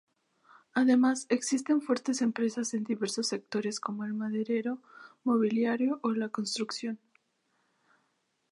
Además existen fuertes empresas en diversos sectores como el maderero, mobiliario o la construcción.